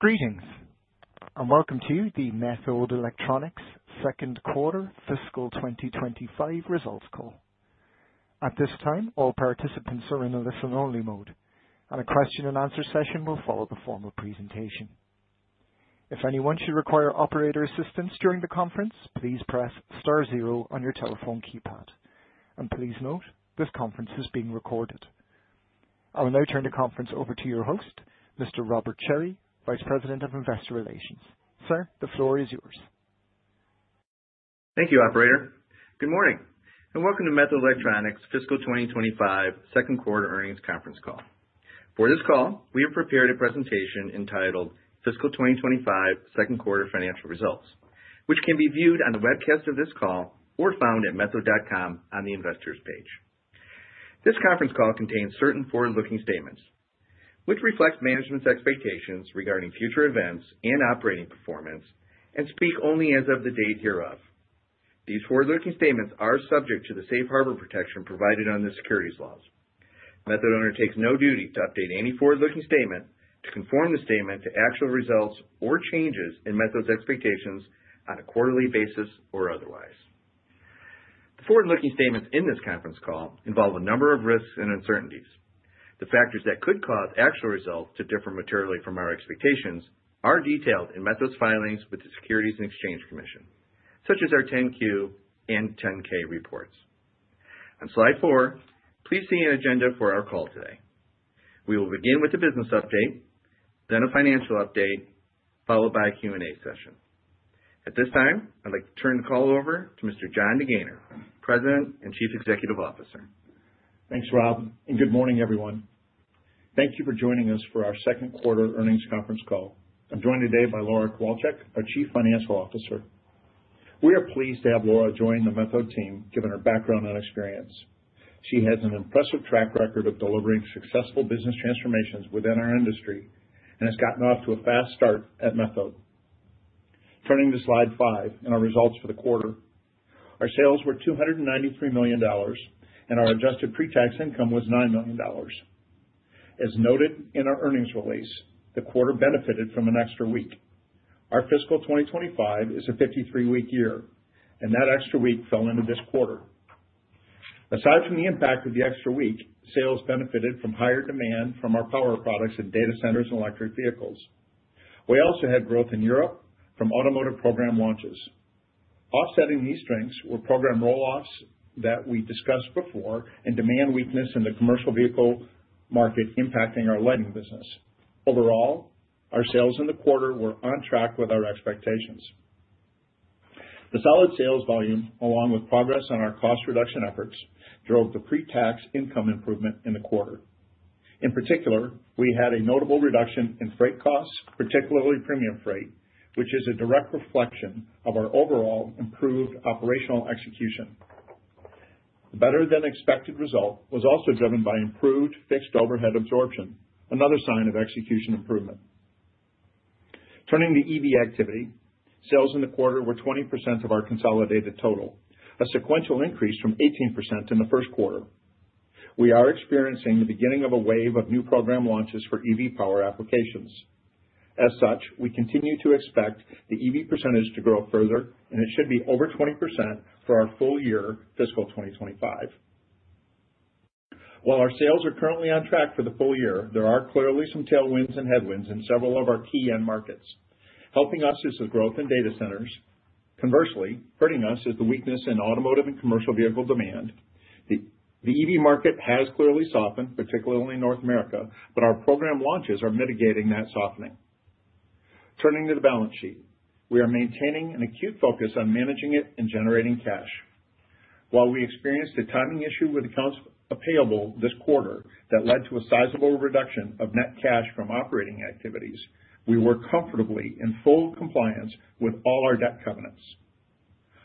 Greetings, and welcome to the Methode Electronics Second Quarter Fiscal 2025 results call. At this time, all participants are in a listen-only mode, and a question-and-answer session will follow the formal presentation. If anyone should require operator assistance during the conference, please press star zero on your telephone keypad. And please note, this conference is being recorded. I will now turn the conference over to your host, Mr. Robert Cherry, Vice President of Investor Relations. Sir, the floor is yours. Thank you, Operator. Good morning, and welcome to Methode Electronics Fiscal 2025 Second Quarter Earnings conference call. For this call, we have prepared a presentation entitled Fiscal 2025 Second Quarter Financial Results, which can be viewed on the webcast of this call or found at methode.com on the investors' page. This conference call contains certain forward-looking statements, which reflect management's expectations regarding future events and operating performance, and speak only as of the date hereof. These forward-looking statements are subject to the safe harbor protection provided on the securities laws. Methode undertakes no duty to update any forward-looking statement, to conform the statement to actual results or changes in Methode's expectations on a quarterly basis or otherwise. The forward-looking statements in this conference call involve a number of risks and uncertainties. The factors that could cause actual results to differ materially from our expectations are detailed in Methode's filings with the Securities and Exchange Commission, such as our 10-Q and 10-K reports. On slide four, please see an agenda for our call today. We will begin with a business update, then a financial update, followed by a Q&A session. At this time, I'd like to turn the call over to Mr. Jon DeGaynor, President and Chief Executive Officer. Thanks, Rob, and good morning, everyone. Thank you for joining us for our second quarter earnings conference call. I'm joined today by Laura Kowalchik, our Chief Financial Officer. We are pleased to have Laura join the Methode team, given her background and experience. She has an impressive track record of delivering successful business transformations within our industry and has gotten off to a fast start at Methode. Turning to slide five in our results for the quarter, our sales were $293 million, and our adjusted pre-tax income was $9 million. As noted in our earnings release, the quarter benefited from an extra week. Our fiscal 2025 is a 53-week year, and that extra week fell into this quarter. Aside from the impact of the extra week, sales benefited from higher demand from our power products and data centers and electric vehicles. We also had growth in Europe from automotive program launches. Offsetting these strengths were program rolloffs that we discussed before and demand weakness in the commercial vehicle market impacting our lighting business. Overall, our sales in the quarter were on track with our expectations. The solid sales volume, along with progress on our cost reduction efforts, drove the pre-tax income improvement in the quarter. In particular, we had a notable reduction in freight costs, particularly premium freight, which is a direct reflection of our overall improved operational execution. The better-than-expected result was also driven by improved fixed overhead absorption, another sign of execution improvement. Turning to EV activity, sales in the quarter were 20% of our consolidated total, a sequential increase from 18% in the first quarter. We are experiencing the beginning of a wave of new program launches for EV power applications. As such, we continue to expect the EV percentage to grow further, and it should be over 20% for our full year, fiscal 2025. While our sales are currently on track for the full year, there are clearly some tailwinds and headwinds in several of our key end markets. Helping us is the growth in data centers. Conversely, hurting us is the weakness in automotive and commercial vehicle demand. The EV market has clearly softened, particularly in North America, but our program launches are mitigating that softening. Turning to the balance sheet, we are maintaining an acute focus on managing it and generating cash. While we experienced a timing issue with accounts payable this quarter that led to a sizable reduction of net cash from operating activities, we work comfortably in full compliance with all our debt covenants.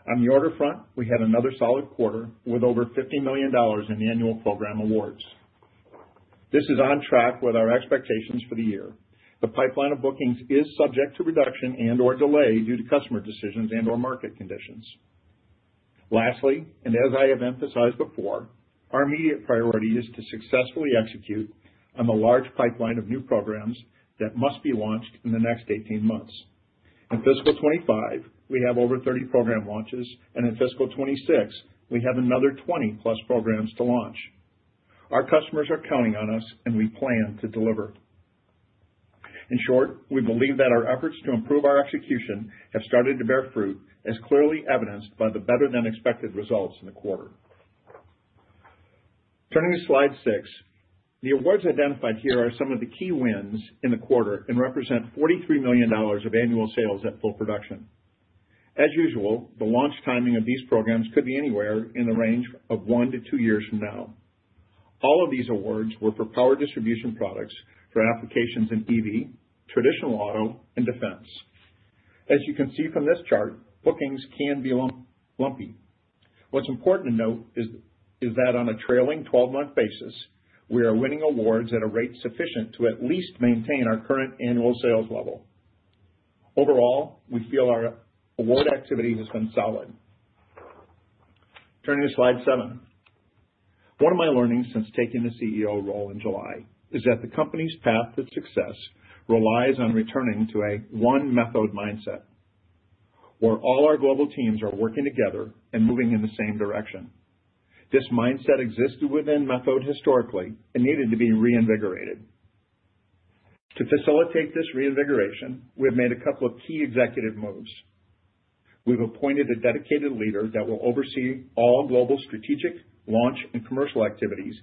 On the order front, we had another solid quarter with over $50 million in the annual program awards. This is on track with our expectations for the year. The pipeline of bookings is subject to reduction and/or delay due to customer decisions and/or market conditions. Lastly, and as I have emphasized before, our immediate priority is to successfully execute on the large pipeline of new programs that must be launched in the next 18 months. In fiscal 25, we have over 30 program launches, and in fiscal 26, we have another 20+ programs to launch. Our customers are counting on us, and we plan to deliver. In short, we believe that our efforts to improve our execution have started to bear fruit, as clearly evidenced by the better-than-expected results in the quarter. Turning to slide six, the awards identified here are some of the key wins in the quarter and represent $43 million of annual sales at full production. As usual, the launch timing of these programs could be anywhere in the range of 1 year-2 years from now. All of these awards were for power distribution products for applications in EV, traditional auto, and defense. As you can see from this chart, bookings can be lumpy. What's important to note is that on a trailing 12-month basis, we are winning awards at a rate sufficient to at least maintain our current annual sales level. Overall, we feel our award activity has been solid. Turning to slide seven, one of my learnings since taking the CEO role in July is that the company's path to success relies on returning to a one-Methode mindset, where all our global teams are working together and moving in the same direction. This mindset existed within Methode historically and needed to be reinvigorated. To facilitate this reinvigoration, we have made a couple of key executive moves. We've appointed a dedicated leader that will oversee all global strategic, launch, and commercial activities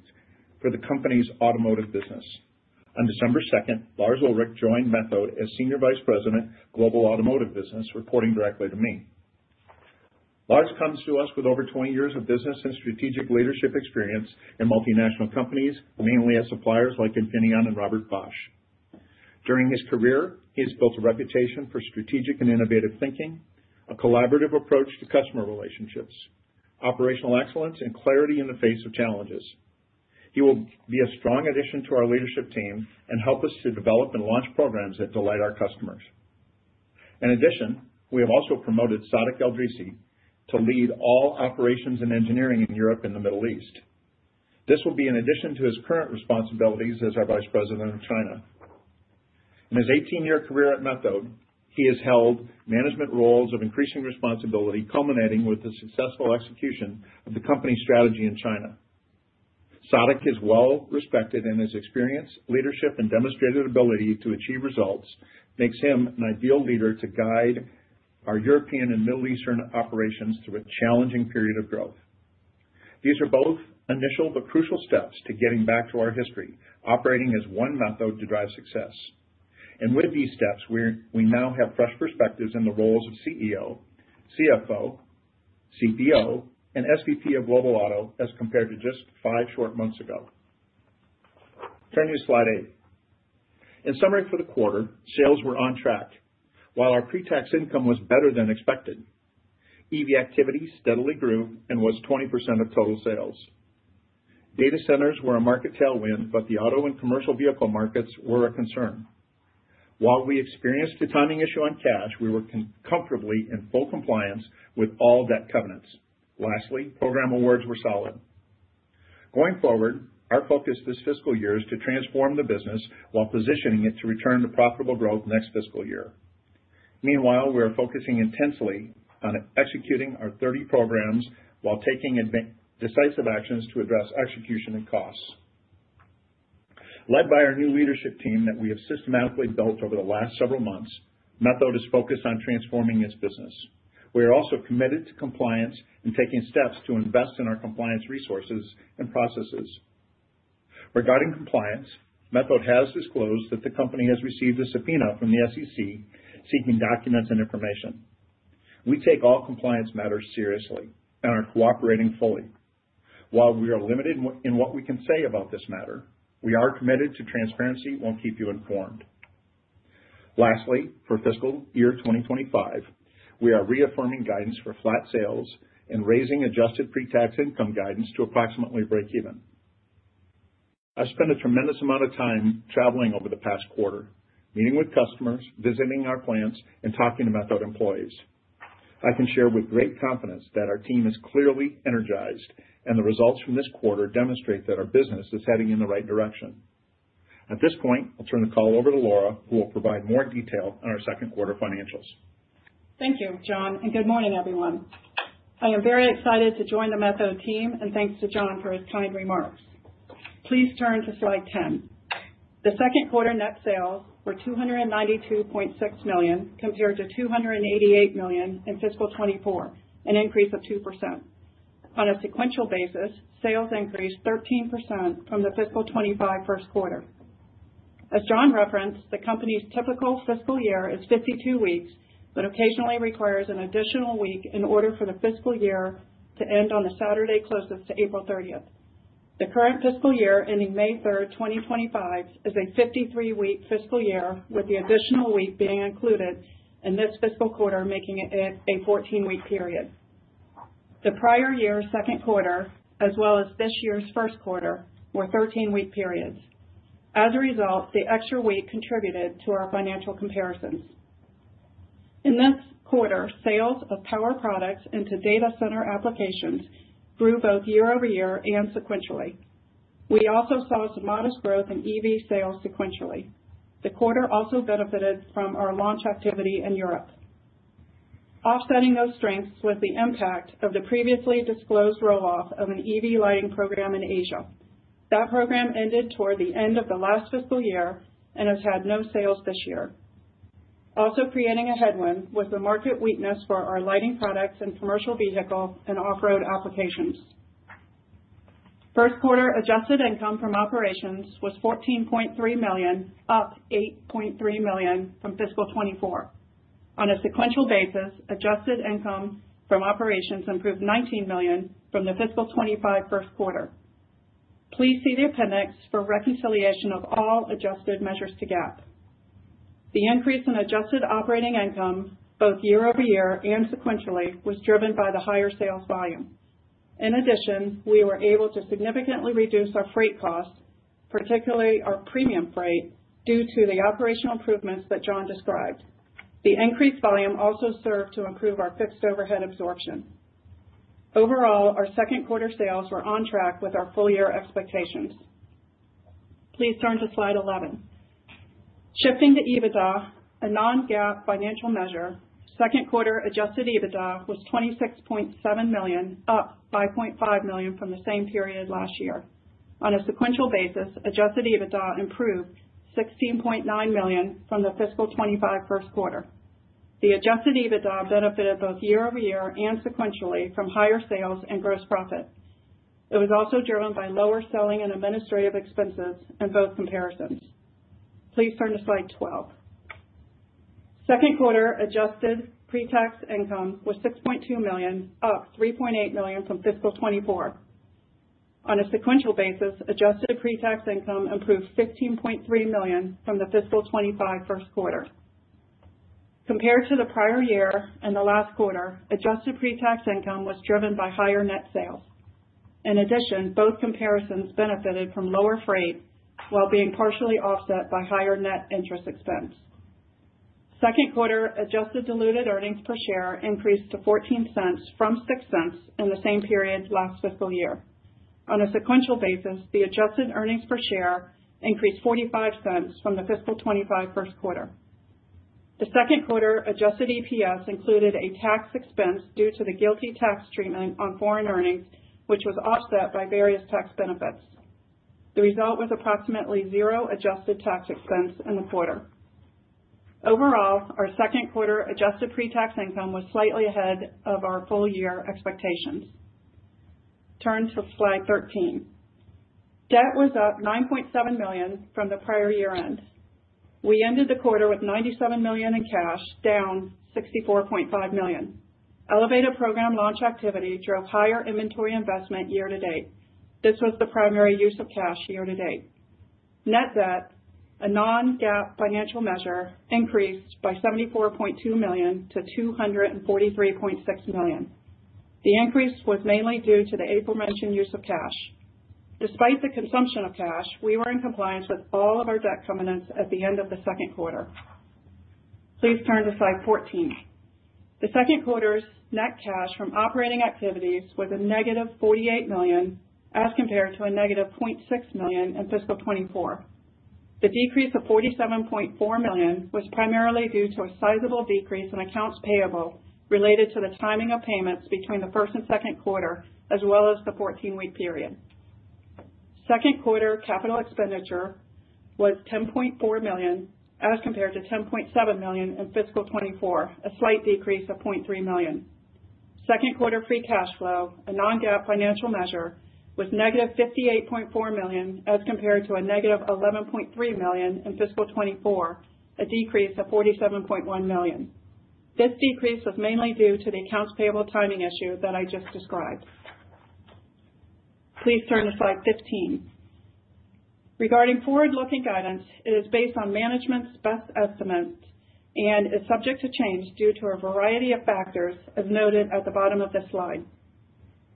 for the company's automotive business. On December 2nd, Lars Ullrich joined Methode as Senior Vice President, Global Automotive Business, reporting directly to me. Lars comes to us with over 20 years of business and strategic leadership experience in multinational companies, mainly at suppliers like Infineon and Robert Bosch. During his career, he has built a reputation for strategic and innovative thinking, a collaborative approach to customer relationships, operational excellence, and clarity in the face of challenges. He will be a strong addition to our leadership team and help us to develop and launch programs that delight our customers. In addition, we have also promoted Sadek El Idrissi to lead all operations and engineering in Europe and the Middle East. This will be in addition to his current responsibilities as our Vice President of China. In his 18-year career at Methode, he has held management roles of increasing responsibility, culminating with the successful execution of the company's strategy in China. Sadek is well-respected, and his experience, leadership, and demonstrated ability to achieve results makes him an ideal leader to guide our European and Middle Eastern operations through a challenging period of growth. These are both initial but crucial steps to getting back to our history, operating as one Methode to drive success. With these steps, we now have fresh perspectives in the roles of CEO, CFO, CPO, and SVP of Global Auto as compared to just five short months ago. Turning to slide eight, in summary for the quarter, sales were on track. While our pre-tax income was better than expected, EV activity steadily grew and was 20% of total sales. Data centers were a market tailwind, but the auto and commercial vehicle markets were a concern. While we experienced a timing issue on cash, we were comfortably in full compliance with all debt covenants. Lastly, program awards were solid. Going forward, our focus this fiscal year is to transform the business while positioning it to return to profitable growth next fiscal year. Meanwhile, we are focusing intensely on executing our 30 programs while taking decisive actions to address execution and costs. Led by our new leadership team that we have systematically built over the last several months, Methode is focused on transforming its business. We are also committed to compliance and taking steps to invest in our compliance resources and processes. Regarding compliance, Methode has disclosed that the company has received a subpoena from the SEC seeking documents and information. We take all compliance matters seriously and are cooperating fully. While we are limited in what we can say about this matter, we are committed to transparency and will keep you informed. Lastly, for fiscal year 2025, we are reaffirming guidance for flat sales and raising adjusted pre-tax income guidance to approximately break even. I spent a tremendous amount of time traveling over the past quarter, meeting with customers, visiting our plants, and talking to Methode employees. I can share with great confidence that our team is clearly energized, and the results from this quarter demonstrate that our business is heading in the right direction. At this point, I'll turn the call over to Laura, who will provide more detail on our second quarter financials. Thank you, Jon, and good morning, everyone. I am very excited to join the Methode team, and thanks to Jon for his kind remarks. Please turn to slide 10. The second quarter net sales were $292.6 million compared to $288 million in fiscal 2024, an increase of 2%. On a sequential basis, sales increased 13% from the fiscal 2025 first quarter. As Jon referenced, the company's typical fiscal year is 52 weeks, but occasionally requires an additional week in order for the fiscal year to end on the Saturday closest to April 30th. The current fiscal year ending May 3rd, 2025, is a 53-week fiscal year, with the additional week being included in this fiscal quarter, making it a 14-week period. The prior year's second quarter, as well as this year's first quarter, were 13-week periods. As a result, the extra week contributed to our financial comparisons. In this quarter, sales of power products into data center applications grew both year over year and sequentially. We also saw some modest growth in EV sales sequentially. The quarter also benefited from our launch activity in Europe, offsetting those strengths with the impact of the previously disclosed roll off of an EV lighting program in Asia. That program ended toward the end of the last fiscal year and has had no sales this year. Also creating a headwind was the market weakness for our lighting products and commercial vehicle and off-road applications. First quarter adjusted income from operations was $14.3 million, up $8.3 million from fiscal 2024. On a sequential basis, adjusted income from operations improved $19 million from the fiscal 2025 first quarter. Please see the appendix for reconciliation of all adjusted measures to GAAP. The increase in adjusted operating income, both year-over-year and sequentially, was driven by the higher sales volume. In addition, we were able to significantly reduce our freight costs, particularly our premium freight, due to the operational improvements that Jon described. The increased volume also served to improve our fixed overhead absorption. Overall, our second quarter sales were on track with our full-year expectations. Please turn to slide 11. Shifting to EBITDA, a non-GAAP financial measure, second quarter Adjusted EBITDA was $26.7 million, up $5.5 million from the same period last year. On a sequential basis, Adjusted EBITDA improved $16.9 million from the fiscal 2025 first quarter. The Adjusted EBITDA benefited both year-over-year and sequentially from higher sales and gross profit. It was also driven by lower selling and administrative expenses in both comparisons. Please turn to slide 12. Second quarter adjusted pre-tax income was $6.2 million, up $3.8 million from fiscal 2024. On a sequential basis, adjusted pre-tax income improved $15.3 million from the fiscal 2025 first quarter. Compared to the prior year and the last quarter, adjusted pre-tax income was driven by higher net sales. In addition, both comparisons benefited from lower freight while being partially offset by higher net interest expense. Second quarter adjusted diluted earnings per share increased to $0.14 from $0.06 in the same period last fiscal year. On a sequential basis, the adjusted earnings per share increased $0.45 from the fiscal 2025 first quarter. The second quarter Adjusted EPS included a tax expense due to the GILTI tax treatment on foreign earnings, which was offset by various tax benefits. The result was approximately zero adjusted tax expense in the quarter. Overall, our second quarter adjusted pre-tax income was slightly ahead of our full-year expectations. Turn to slide 13. Debt was up $9.7 million from the prior year-end. We ended the quarter with $97 million in cash, down $64.5 million. Elevated program launch activity drove higher inventory investment year to date. This was the primary use of cash year to date. Net debt, a non-GAAP financial measure, increased by $74.2 million-$243.6 million. The increase was mainly due to the aforementioned use of cash. Despite the consumption of cash, we were in compliance with all of our debt covenants at the end of the second quarter. Please turn to slide 14. The second quarter's net cash from operating activities was a negative $48 million as compared to a -$0.6 million in fiscal 2024. The decrease of $47.4 million was primarily due to a sizable decrease in accounts payable related to the timing of payments between the first and second quarter, as well as the 14-week period. Second quarter capital expenditure was $10.4 million as compared to $10.7 million in fiscal 2024, a slight decrease of $0.3 million. Second quarter free cash flow, a non-GAAP financial measure, was -$58.4 million as compared to a -$11.3 million in fiscal 2024, a decrease of $47.1 million. This decrease was mainly due to the accounts payable timing issue that I just described. Please turn to slide 15. Regarding forward-looking guidance, it is based on management's best estimates and is subject to change due to a variety of factors as noted at the bottom of this slide.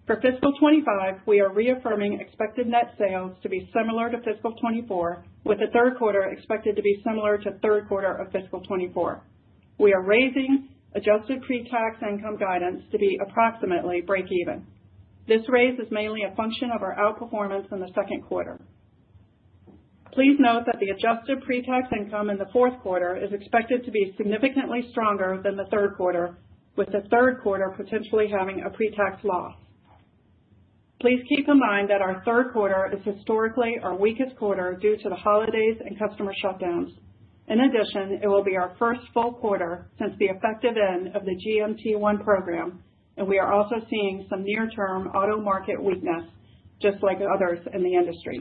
For fiscal 2025, we are reaffirming expected net sales to be similar to fiscal 2024, with the third quarter expected to be similar to the third quarter of fiscal 2024. We are raising adjusted pre-tax income guidance to be approximately break even. This raise is mainly a function of our outperformance in the second quarter. Please note that the adjusted pre-tax income in the fourth quarter is expected to be significantly stronger than the third quarter, with the third quarter potentially having a pre-tax loss. Please keep in mind that our third quarter is historically our weakest quarter due to the holidays and customer shutdowns. In addition, it will be our first full quarter since the effective end of the GM T1 program, and we are also seeing some near-term auto market weakness, just like others in the industry.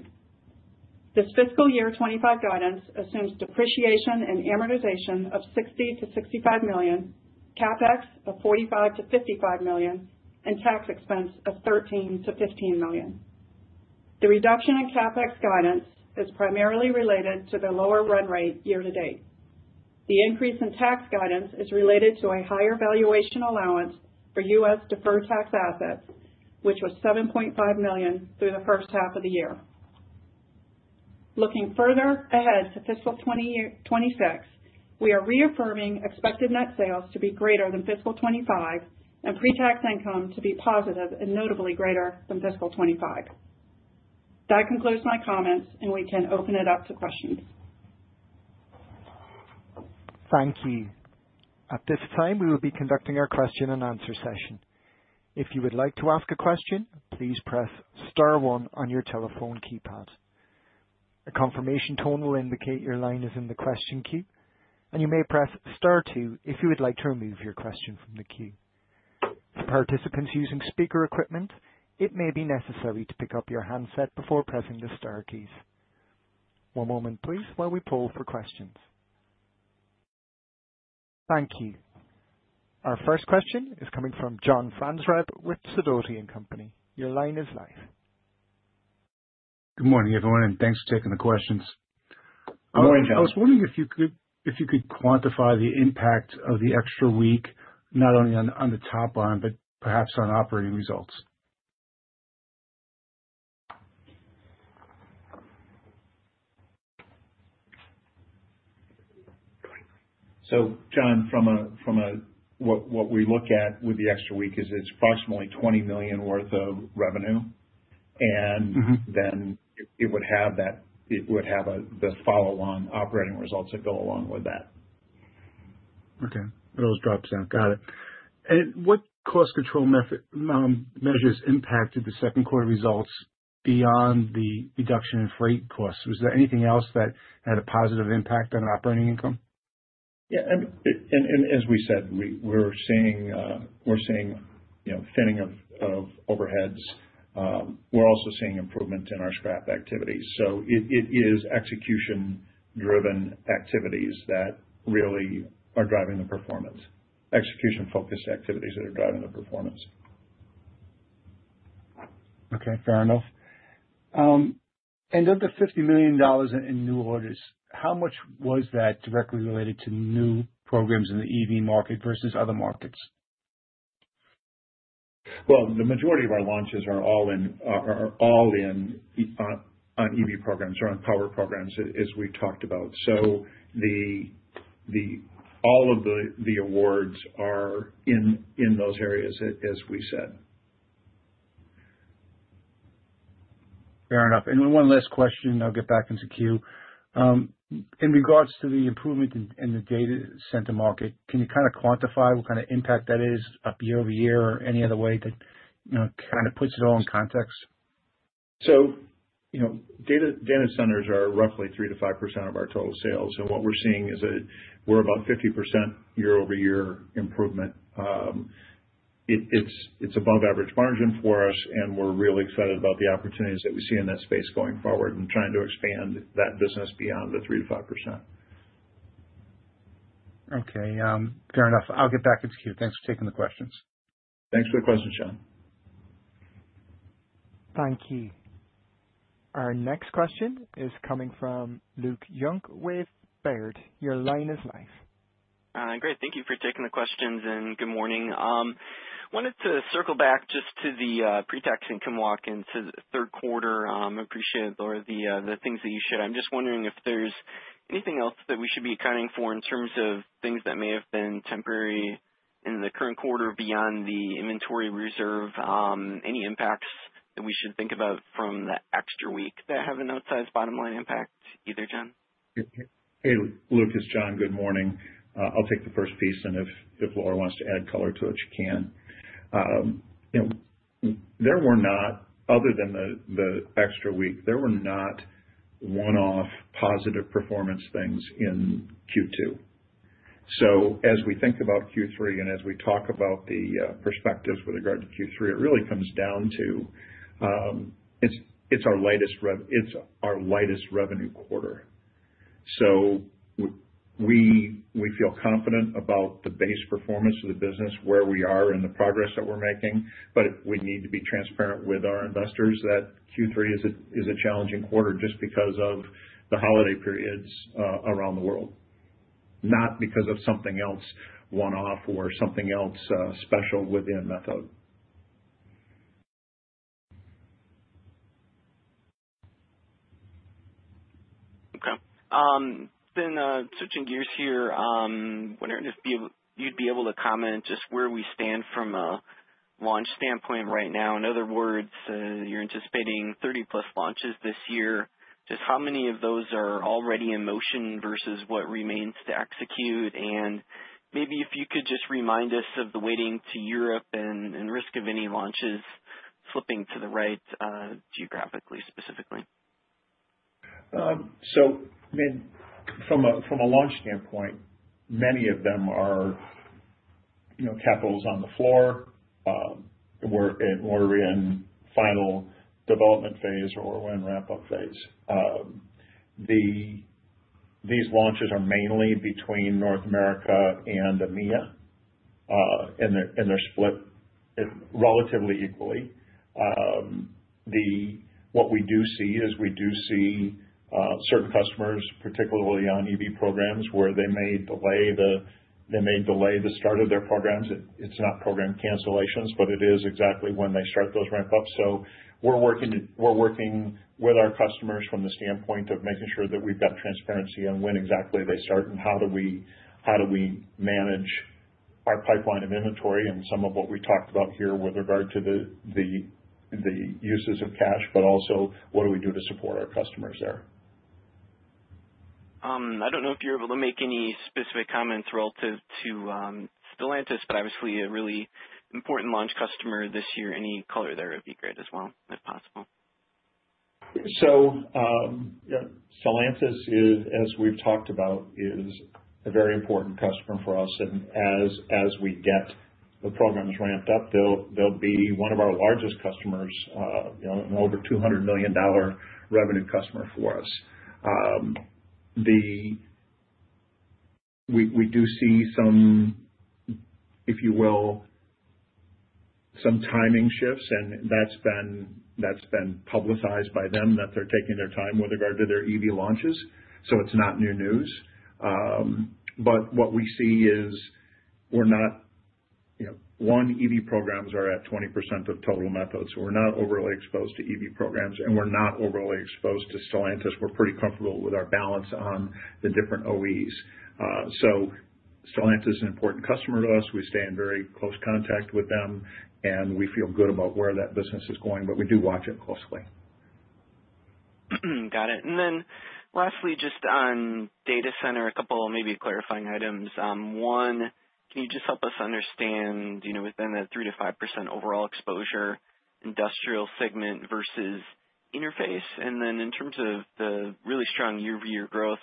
This fiscal year 2025 guidance assumes depreciation and amortization of $60 million-$65 million, CapEx of $45 million-$55 million, and tax expense of $13 million-$15 million. The reduction in CapEx guidance is primarily related to the lower run rate year to date. The increase in tax guidance is related to a higher valuation allowance for U.S. deferred tax assets, which was $7.5 million through the first half of the year. Looking further ahead to fiscal 2026, we are reaffirming expected net sales to be greater than fiscal 25 and pre-tax income to be positive and notably greater than fiscal 2025. That concludes my comments, and we can open it up to questions. Thank you. At this time, we will be conducting our question and answer session. If you would like to ask a question, please press star one on your telephone keypad. A confirmation tone will indicate your line is in the question queue, and you may press star two if you would like to remove your question from the queue. For participants using speaker equipment, it may be necessary to pick up your handset before pressing the star keys. One moment, please, while we poll for questions. Thank you. Our first question is coming from John Franzreb with Sidoti & Company. Your line is live. Good morning, everyone, and thanks for taking the questions. Good morning, John. I was wondering if you could quantify the impact of the extra week, not only on the top line but perhaps on operating results? So, John, from what we look at with the extra week is it's approximately $20 million worth of revenue, and then it would have the follow-on operating results that go along with that. Okay. Those drops down. Got it. And what cost control measures impacted the second quarter results beyond the reduction in freight costs? Was there anything else that had a positive impact on operating income? Yeah. And as we said, we're seeing thinning of overheads. We're also seeing improvement in our scrap activities. So it is execution-driven activities that really are driving the performance. Execution-focused activities that are driving the performance. Okay. Fair enough. And of the $50 million in new orders, how much was that directly related to new programs in the EV market versus other markets? The majority of our launches are all in on EV programs or on power programs, as we've talked about. All of the awards are in those areas, as we said. Fair enough. And one last question. I'll get back into queue. In regards to the improvement in the data center market, can you kind of quantify what kind of impact that is year-over-year or any other way that kind of puts it all in context? Data centers are roughly 3%-5% of our total sales. What we're seeing is we're about 50% year-over-year improvement. It's above average margin for us, and we're really excited about the opportunities that we see in that space going forward and trying to expand that business beyond the 3%-5%. Okay. Fair enough. I'll get back into queue. Thanks for taking the questions. Thanks for the question, John. Thank you. Our next question is coming from Luke Junk with Baird. Your line is live. Hi, great. Thank you for taking the questions, and good morning. I wanted to circle back just to the pre-tax income walk in to the third quarter. I appreciate the things that you shared. I'm just wondering if there's anything else that we should be accounting for in terms of things that may have been temporary in the current quarter beyond the inventory reserve, any impacts that we should think about from the extra week that have an outsized bottom line impact either, Jon? Hey, Luke, it's Jon. Good morning. I'll take the first piece, and if Laura wants to add color to it, she can. There were not, other than the extra week, there were not one-off positive performance things in Q2. So as we think about Q3 and as we talk about the perspectives with regard to Q3, it really comes down to it's our lightest revenue quarter. So we feel confident about the base performance of the business, where we are in the progress that we're making, but we need to be transparent with our investors that Q3 is a challenging quarter just because of the holiday periods around the world, not because of something else one-off or something else special within Methode. Okay. Then switching gears here, wondering if you'd be able to comment just where we stand from a launch standpoint right now. In other words, you're anticipating 30+ launches this year. Just how many of those are already in motion versus what remains to execute? And maybe if you could just remind us of the weighting to Europe and risk of any launches slipping to the right geographically, specifically. From a launch standpoint, many of them are capable on the floor. We're in final development phase or we're in wrap-up phase. These launches are mainly between North America and EMEA, and they're split relatively equally. What we do see is we do see certain customers, particularly on EV programs, where they may delay the start of their programs. It's not program cancellations, but it is exactly when they start those ramp-ups. We're working with our customers from the standpoint of making sure that we've got transparency on when exactly they start and how do we manage our pipeline of inventory and some of what we talked about here with regard to the uses of cash, but also what do we do to support our customers there. I don't know if you're able to make any specific comments relative to Stellantis, but obviously a really important launch customer this year. Any color there would be great as well, if possible? Stellantis, as we've talked about, is a very important customer for us. And as we get the programs ramped up, they'll be one of our largest customers, an over $200 million revenue customer for us. We do see some, if you will, some timing shifts, and that's been publicized by them that they're taking their time with regard to their EV launches. It's not new news. But what we see is we're not one, EV programs are at 20% of total Methode's. We're not overly exposed to EV programs, and we're not overly exposed to Stellantis. We're pretty comfortable with our balance on the different OEs. Stellantis is an important customer to us. We stay in very close contact with them, and we feel good about where that business is going, but we do watch it closely. Got it. And then lastly, just on data center, a couple of maybe clarifying items. One, can you just help us understand within that 3%-5% overall exposure, industrial segment versus interface? And then in terms of the really strong year-to-year growth,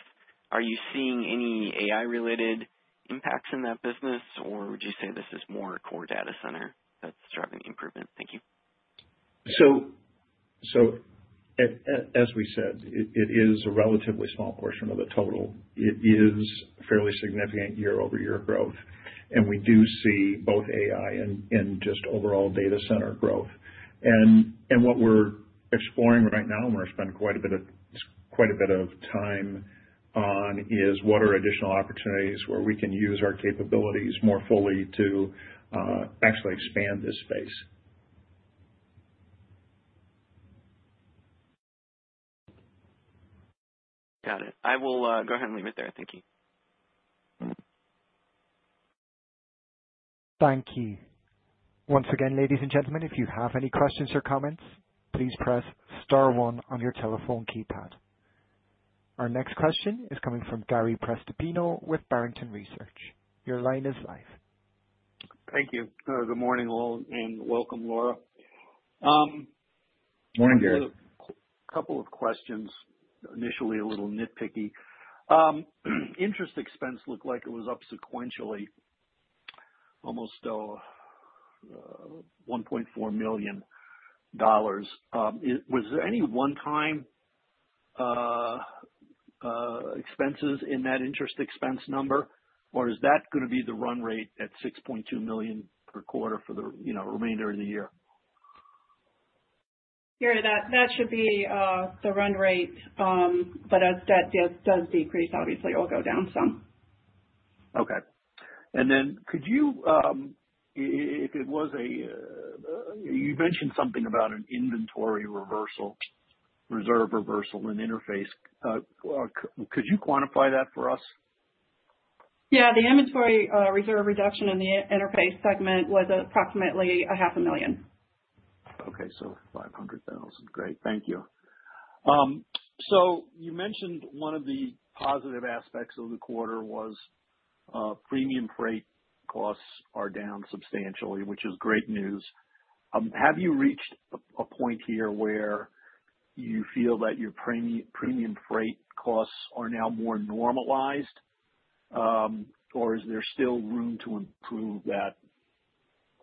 are you seeing any AI-related impacts in that business, or would you say this is more core data center that's driving the improvement? Thank you. So as we said, it is a relatively small portion of the total. It is fairly significant year-over-year growth, and we do see both AI and just overall data center growth. And what we're exploring right now, and we're spending quite a bit of time on, is what are additional opportunities where we can use our capabilities more fully to actually expand this space. Got it. I will go ahead and leave it there. Thank you. Thank you. Once again, ladies and gentlemen, if you have any questions or comments, please press star one on your telephone keypad. Our next question is coming from Gary Prestopino with Barrington Research. Your line is live. Thank you. Good morning, and welcome, Laura. Morning, Gary. A couple of questions, initially a little nitpicky. Interest expense looked like it was up sequentially, almost $1.4 million. Was there any one-time expenses in that interest expense number, or is that going to be the run rate at $6.2 million per quarter for the remainder of the year? Gary, that should be the run rate, but as debt does decrease, obviously, it will go down some. Okay. And then could you, if it was a, you mentioned something about an inventory reversal, reserve reversal in interface. Could you quantify that for us? Yeah. The inventory reserve reduction in the interface segment was approximately $500,000. Okay. So $500,000. Great. Thank you. So you mentioned one of the positive aspects of the quarter was premium freight costs are down substantially, which is great news. Have you reached a point here where you feel that your premium freight costs are now more normalized, or is there still room to improve that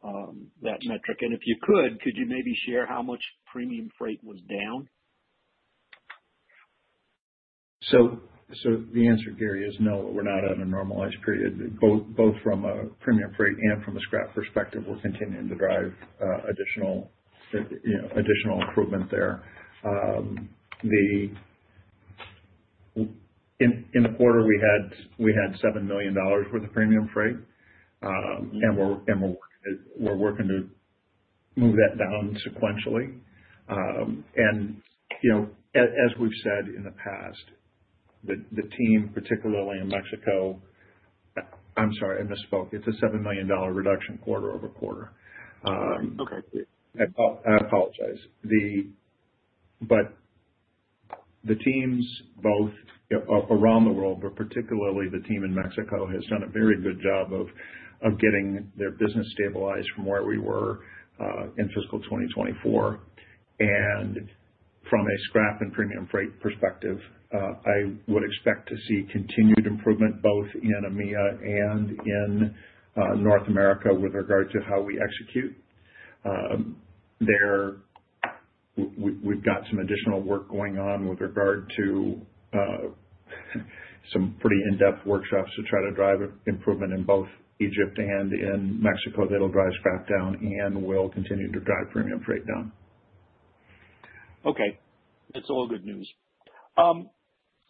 metric? And if you could, could you maybe share how much premium freight was down? So the answer, Gary, is no. We're not at a normalized period. Both from a premium freight and from a scrap perspective, we're continuing to drive additional improvement there. In the quarter, we had $7 million worth of premium freight, and we're working to move that down sequentially. And as we've said in the past, the team, particularly in Mexico. I'm sorry, I misspoke. It's a $7 million reduction quarter over quarter. Okay. I apologize, but the teams both around the world, but particularly the team in Mexico, has done a very good job of getting their business stabilized from where we were in fiscal 2024, and from a scrap and premium freight perspective, I would expect to see continued improvement both in EMEA and in North America with regard to how we execute. We've got some additional work going on with regard to some pretty in-depth workshops to try to drive improvement in both Egypt and in Mexico. They'll drive scrap down and will continue to drive premium freight down. Okay. That's all good news.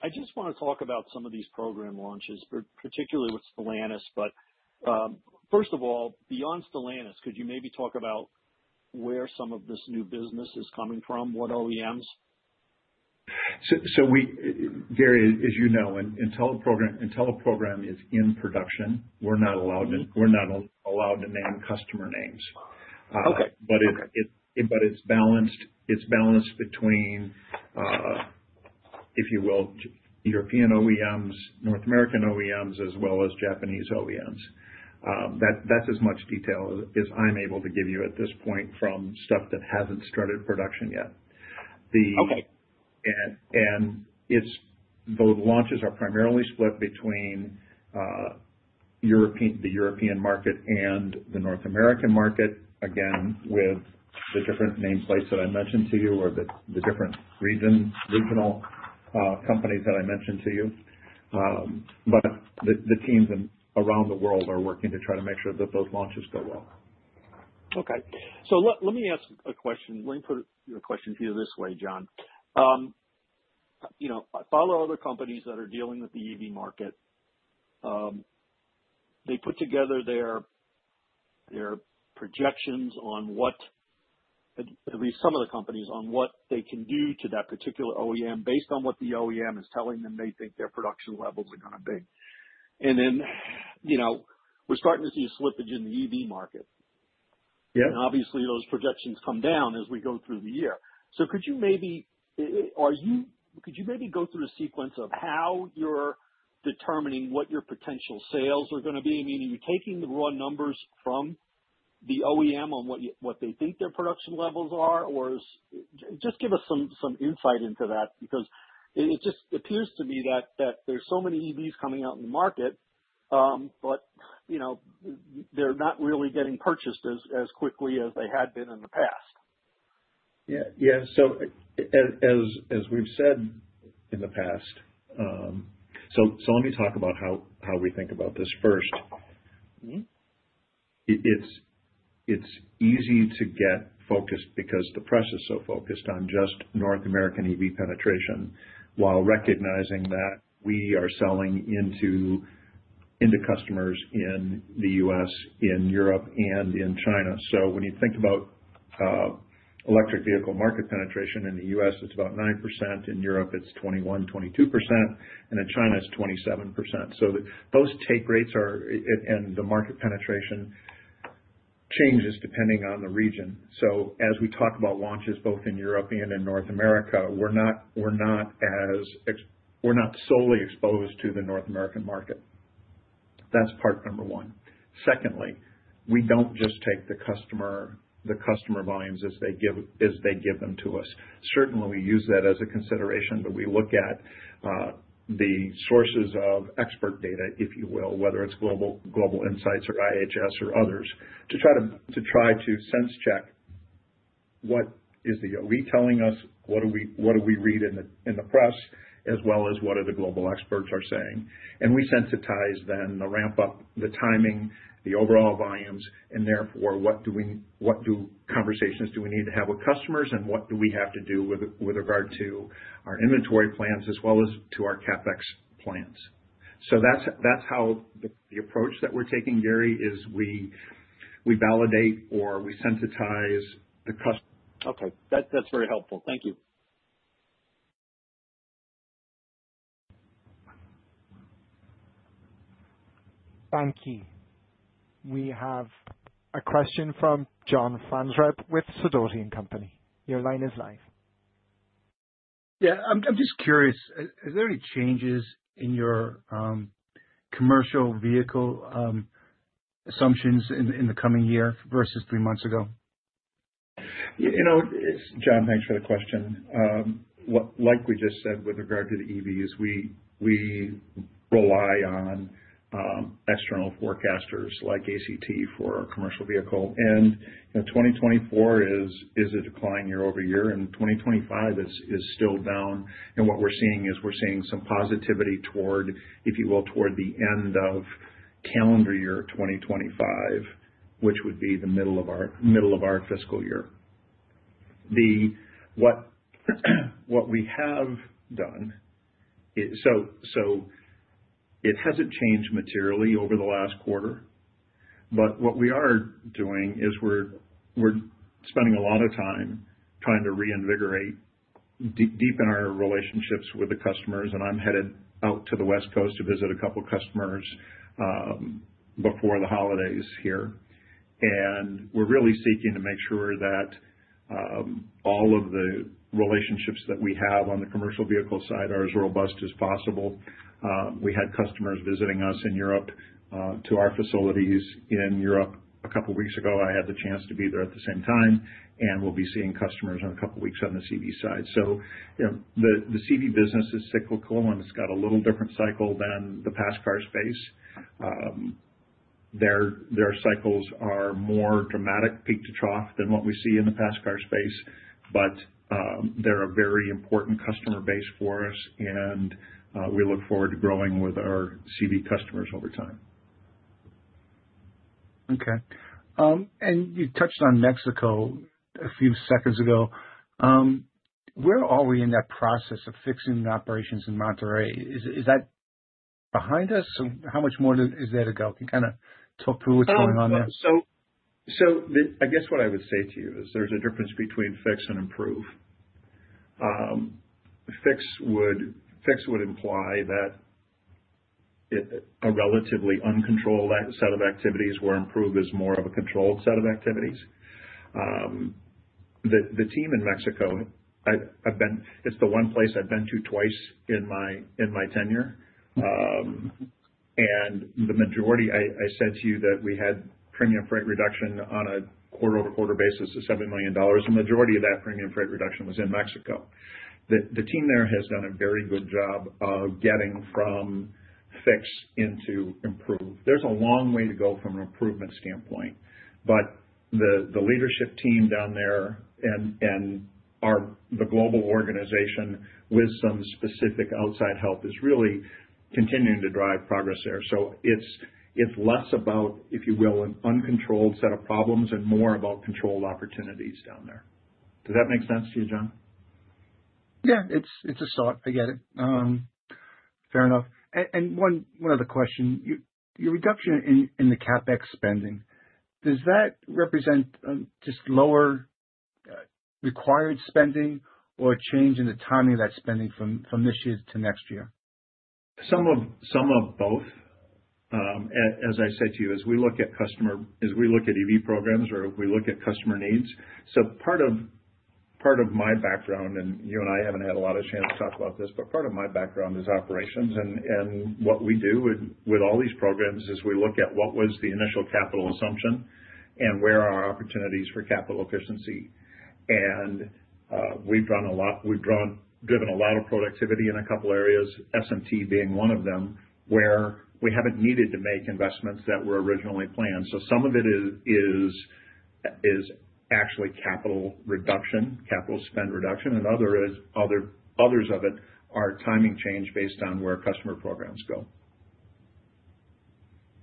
I just want to talk about some of these program launches, particularly with Stellantis. But first of all, beyond Stellantis, could you maybe talk about where some of this new business is coming from? What OEMs? So Gary, as you know, until a program is in production, we're not allowed to name customer names. But it's balanced between, if you will, European OEMs, North American OEMs, as well as Japanese OEMs. That's as much detail as I'm able to give you at this point from stuff that hasn't started production yet. And those launches are primarily split between the European market and the North American market, again, with the different nameplates that I mentioned to you or the different regional companies that I mentioned to you. But the teams around the world are working to try to make sure that those launches go well. Okay. So let me ask a question. Let me put a question to you this way, Jon. I follow other companies that are dealing with the EV market. They put together their projections on what, at least some of the companies, on what they can do to that particular OEM based on what the OEM is telling them they think their production levels are going to be. And then we're starting to see a slippage in the EV market. And obviously, those projections come down as we go through the year. So could you maybe go through a sequence of how you're determining what your potential sales are going to be? Meaning, are you taking the raw numbers from the OEM on what they think their production levels are? Just give us some insight into that because it just appears to me that there's so many EVs coming out in the market, but they're not really getting purchased as quickly as they had been in the past. Yeah. So as we've said in the past, so let me talk about how we think about this first. It's easy to get focused because the press is so focused on just North American EV penetration while recognizing that we are selling into customers in the U.S., in Europe, and in China. So when you think about electric vehicle market penetration in the U.S., it's about 9%. In Europe, it's 21%-22%. And in China, it's 27%. So those take rates and the market penetration changes depending on the region. So as we talk about launches both in Europe and in North America, we're not solely exposed to the North American market. That's part number one. Secondly, we don't just take the customer volumes as they give them to us. Certainly, we use that as a consideration, but we look at the sources of expert data, if you will, whether it's Global Insight or IHS or others, to try to sense-check what is the OE telling us, what do we read in the press, as well as what are the global experts saying. And we sensitize then the ramp-up, the timing, the overall volumes, and therefore, what conversations do we need to have with customers, and what do we have to do with regard to our inventory plans as well as to our CapEx plans, so that's how the approach that we're taking, Gary, is we validate or we sensitize the. Okay. That's very helpful. Thank you. Thank you. We have a question from John Franzreb with Sidoti & Company. Your line is live. Yeah. I'm just curious. Are there any changes in your commercial vehicle assumptions in the coming year versus three months ago? John, thanks for the question. Like we just said with regard to the EVs, we rely on external forecasters like ACT for our commercial vehicle, and 2024 is a decline year-over-year, and 2025 is still down, and what we're seeing is we're seeing some positivity toward, if you will, toward the end of calendar year 2025, which would be the middle of our fiscal year. What we have done, so it hasn't changed materially over the last quarter, but what we are doing is we're spending a lot of time trying to reinvigorate, deepen our relationships with the customers, and I'm headed out to the West Coast to visit a couple of customers before the holidays here, and we're really seeking to make sure that all of the relationships that we have on the commercial vehicle side are as robust as possible. We had customers visiting us in Europe to our facilities in Europe a couple of weeks ago. I had the chance to be there at the same time, and we'll be seeing customers in a couple of weeks on the CV side. So the CV business is cyclical, and it's got a little different cycle than the passenger car space. Their cycles are more dramatic, peak to trough, than what we see in the passenger car space. But they're a very important customer base for us, and we look forward to growing with our CV customers over time. Okay. And you touched on Mexico a few seconds ago. Where are we in that process of fixing the operations in Monterrey? Is that behind us? How much more is there to go? Can you kind of talk through what's going on there? I guess what I would say to you is there's a difference between fix and improve. Fix would imply that a relatively uncontrolled set of activities where improve is more of a controlled set of activities. The team in Mexico, it's the one place I've been to twice in my tenure. The majority, I said to you that we had premium freight reduction on a quarter-over-quarter basis of $7 million. The majority of that premium freight reduction was in Mexico. The team there has done a very good job of getting from fix into improve. There's a long way to go from an improvement standpoint. The leadership team down there and the global organization with some specific outside help is really continuing to drive progress there. It's less about, if you will, an uncontrolled set of problems and more about controlled opportunities down there. Does that make sense to you, John? Yeah. It's a thought. I get it. Fair enough, and one other question. Your reduction in the CapEx spending, does that represent just lower required spending or a change in the timing of that spending from this year to next year? Some of both. As I said to you, as we look at EV programs or we look at customer needs. So part of my background, and you and I haven't had a lot of chance to talk about this, but part of my background is operations. And what we do with all these programs is we look at what was the initial capital assumption and where are our opportunities for capital efficiency. And we've driven a lot of productivity in a couple of areas, SMT being one of them, where we haven't needed to make investments that were originally planned. So some of it is actually capital reduction, capital spend reduction. And others of it are timing change based on where customer programs go.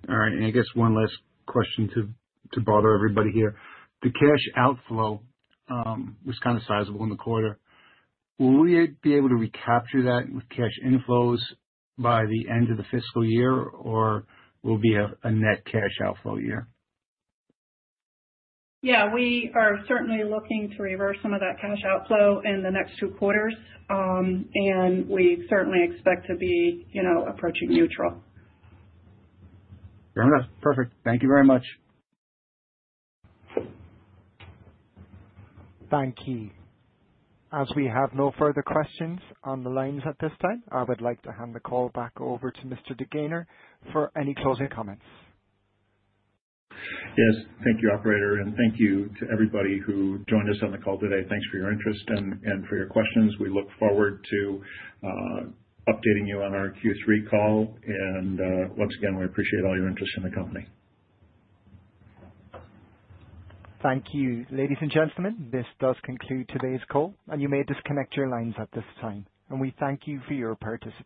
All right. And I guess one last question to bother everybody here. The cash outflow was kind of sizable in the quarter. Will we be able to recapture that with cash inflows by the end of the fiscal year, or will it be a net cash outflow year? Yeah. We are certainly looking to reverse some of that cash outflow in the next two quarters. And we certainly expect to be approaching neutral. Fair enough. Perfect. Thank you very much. Thank you. As we have no further questions on the lines at this time, I would like to hand the call back over to Mr. DeGaynor for any closing comments. Yes. Thank you, Operator. And thank you to everybody who joined us on the call today. Thanks for your interest and for your questions. We look forward to updating you on our Q3 call. And once again, we appreciate all your interest in the company. Thank you. Ladies and gentlemen, this does conclude today's call. And you may disconnect your lines at this time. And we thank you for your participation.